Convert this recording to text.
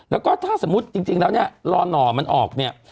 แล้วก็ถ้าสมมุติจริงแล้วเนี่ยรอหน่อมันออกเนี่ย